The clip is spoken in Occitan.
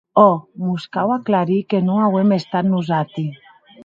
Òc, mos cau aclarir que non auem estat nosati.